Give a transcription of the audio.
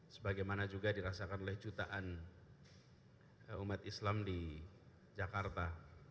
sebagaimana juga dirasakan oleh jutaan umat islam di jakarta